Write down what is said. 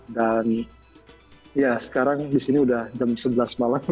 dan ya sekarang disini sudah jam sebelas malam